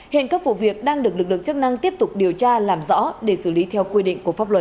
hiện các vụ việc đang được lực lượng chức năng tiếp tục điều tra làm rõ để xử lý theo quy định của pháp luật